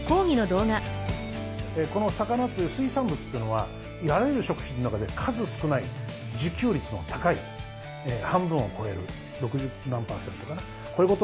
この魚という水産物というのはあらゆる食品の中で数少ない自給率の高い半分を超える６０何％かなこういうこともできる食料ですので。